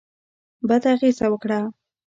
بده اغېزه وکړه.